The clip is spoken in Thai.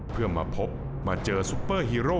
เพื่อมาพบมาเจอซุปเปอร์ฮีโร่